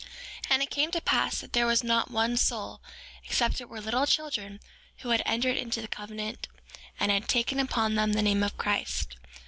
6:2 And it came to pass that there was not one soul, except it were little children, but who had entered into the covenant and had taken upon them the name of Christ.